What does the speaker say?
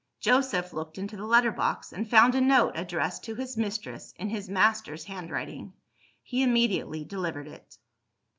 Joseph looked into the letter box, and found a note addressed to his mistress, in his master's handwriting. He immediately delivered it.